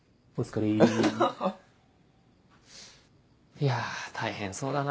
いや大変そうだな